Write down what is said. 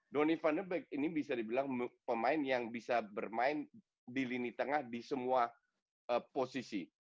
donny van de beek ini bisa dibilang pemain yang bisa bermain di lini tengah di semua posisi